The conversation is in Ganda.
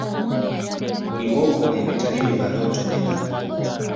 Buli lw'okola ebitali bibale otomera.